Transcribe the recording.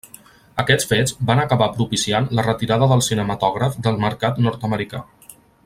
Aquests fets van acabar propiciant la retirada del cinematògraf del mercat nord-americà.